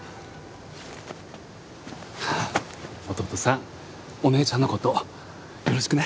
弟さんお姉ちゃんの事よろしくね。